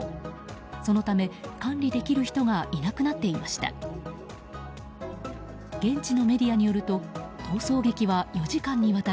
そのため管理できる人がいなくなっていました。